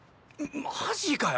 マジかよ